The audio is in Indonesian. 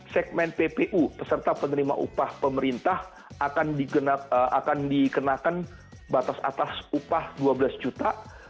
segmen ppu peserta penerima upah pemerintah akan dikenakan batas atas upah dua belas juta